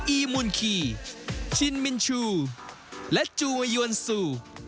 อีมุนคีย์ชินมินชูและจูเฮยวันซู